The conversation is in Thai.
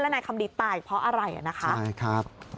และนายคำดีตายเพราะอะไรนะคะ